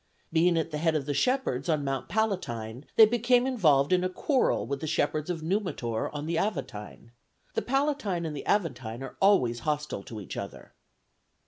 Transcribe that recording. Being at the head of the shepherds on Mount Palatine, they became involved in a quarrel with the shepherds of Numitor on the Aventine the Palatine and the Aventine are always hostile to each other.